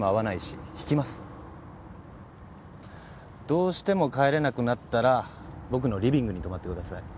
どうしても帰れなくなったら僕のリビングに泊まってください。